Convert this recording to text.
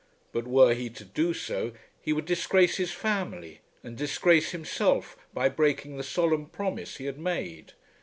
But were he to do so, he would disgrace his family, and disgrace himself by breaking the solemn promise he had made.